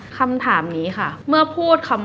เป็นไปใช้สิทธิ์บอกไป